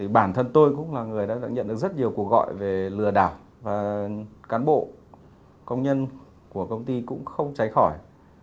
bản thân tôi cũng là người đã nhận được rất nhiều cuộc gọi về lừa đảo và cán bộ công nhân của công ty cũng không trái khỏi